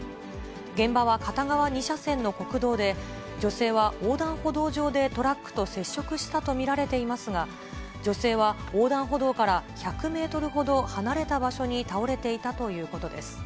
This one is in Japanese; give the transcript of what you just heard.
現場は片側２車線の国道で、女性は横断歩道上でトラックと接触したと見られていますが、女性は横断歩道から１００メートルほど離れた場所に倒れていたということです。